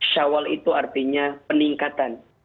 shawwal itu artinya peningkatan